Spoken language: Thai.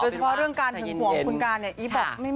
เฉพาะเรื่องการถึงห่วงคุณการเนี่ย